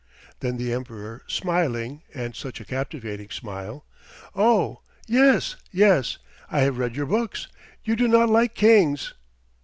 Then the Emperor, smiling and such a captivating smile: "Oh! yes, yes, I have read your books. You do not like kings."